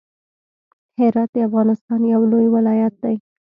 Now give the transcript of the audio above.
هرات د افغانستان يو لوی ولايت دی.